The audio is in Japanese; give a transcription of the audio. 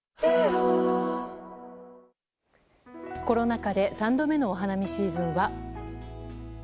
コロナ禍で３度目のお花見シーズンは。